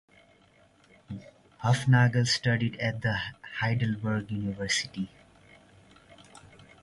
Hufnagel studied at the Heidelberg University.